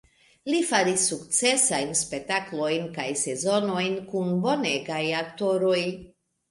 Li faris sukcesajn spektaklojn kaj sezonojn kun bonegaj aktoroj.